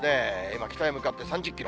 今、北へ向かって３０キロ。